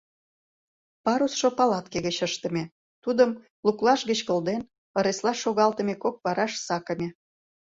Парусшо палатке гыч ыштыме, тудым, луклаж гыч кылден, ыресла шогалтыме кок вараш сакыме.